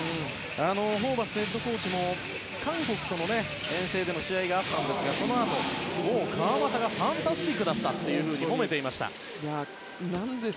ホーバスヘッドコーチも韓国との遠征での試合があったんですがそのあと、もう川真田がファンタスティックだったと褒めていました。